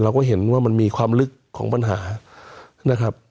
เราก็เห็นว่ามันมีความลึกของปัญหานะครับ